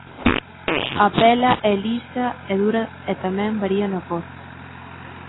A pela é lisa e dura e tamén varía na cor.